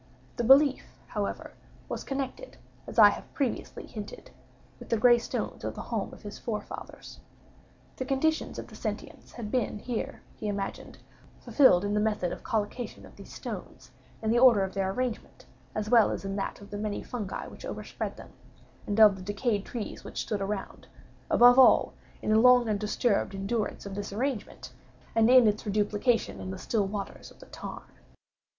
The belief, however, was connected (as I have previously hinted) with the gray stones of the home of his forefathers. The conditions of the sentience had been here, he imagined, fulfilled in the method of collocation of these stones—in the order of their arrangement, as well as in that of the many fungi which overspread them, and of the decayed trees which stood around—above all, in the long undisturbed endurance of this arrangement, and in its reduplication in the still waters of the tarn.